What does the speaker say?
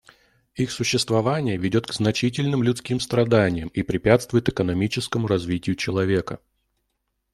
Их существование ведет к значительным людским страданиям и препятствует экономическому развитию человека.